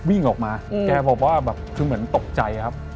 วิ่งออกมาแกบอกว่าแบบคือเหมือนตกใจครับ